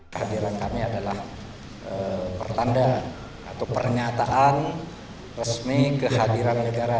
kehadiran kami adalah pertanda atau pernyataan resmi kehadiran negara